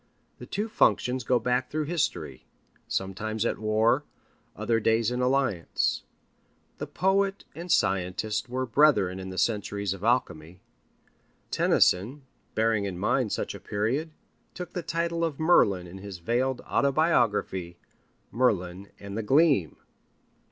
The two functions go back through history, sometimes at war, other days in alliance. The poet and the scientist were brethren in the centuries of alchemy. Tennyson, bearing in mind such a period, took the title of Merlin in his veiled autobiography, Merlin and the Gleam.